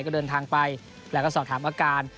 ก็เดินทางไปแล้วก็สอบถามอาการ